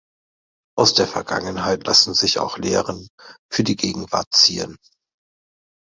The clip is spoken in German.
Aus der Vergangenheit lassen sich auch Lehren für die Gegenwart ziehen.